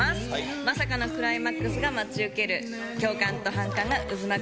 まさかのクライマックスが待ち受ける、共感と反感が渦巻く